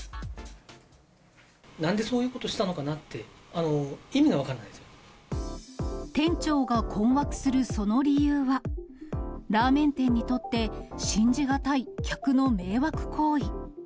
なんでそういうことをしたの店長が困惑するその理由は、ラーメン店にとって信じ難い客の迷惑行為。